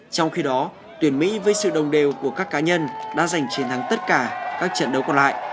trong khi đó tuyển mỹ với sự đồng đều của các cá nhân đã giành chiến thắng tất cả các trận đấu còn lại